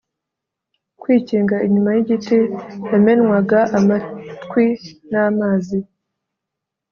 kwikinga inyuma yigiti, yamenwaga amatwi namazi